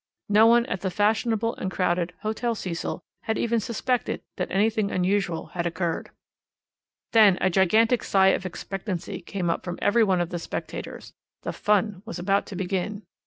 No one at the fashionable and crowded Hotel Cecil had even suspected that anything unusual had occurred. "Then a gigantic sigh of expectancy came from every one of the spectators. The 'fun' was about to begin.